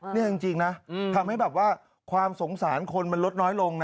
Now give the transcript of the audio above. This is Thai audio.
นี่จริงนะทำให้แบบว่าความสงสารคนมันลดน้อยลงนะ